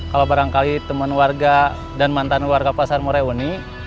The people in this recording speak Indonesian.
kalau barangkali teman warga dan mantan warga pasar murauni